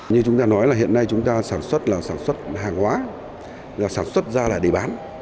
như chúng ta nói là hiện nay chúng ta sản xuất là sản xuất hàng hóa sản xuất ra là để bán